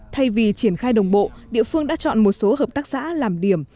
thay vì triển khai đồng bộ địa phương đã chọn một số hợp tác xã làm điểm